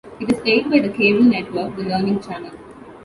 It is aired by the cable network The Learning Channel.